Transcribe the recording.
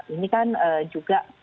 ini kan juga